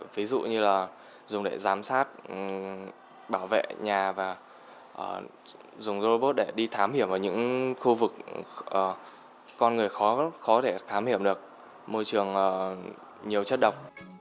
ví dụ như là dùng để giám sát bảo vệ nhà và dùng robot để đi thám hiểm vào những khu vực con người khó thể thám hiểm được môi trường nhiều chất độc